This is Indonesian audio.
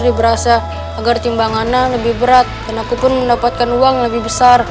diberasa agar timbangana lebih berat dan aku pun mendapatkan uang lebih besar